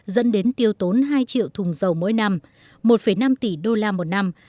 dẫn đến tiêu tốn hai triệu thùng dầu mỗi năm một năm tỷ đô la một năm